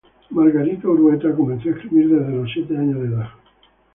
Margarita Urueta comenzó a escribir desde los siete años de edad.